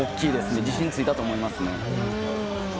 自信ついたと思いますね。